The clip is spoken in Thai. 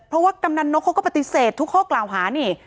เพราะว่ากำนันนกเขาก็ปฏิเสธทุกข้อกล่าวหานี่